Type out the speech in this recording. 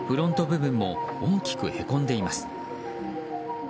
部分も大きくへこんでいます。